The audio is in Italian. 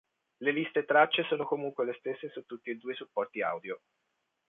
Le liste tracce sono comunque le stesse su tutti e due i supporti audio.